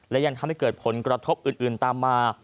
และยังทำให้เกิดผลกระทบอื่นตามมา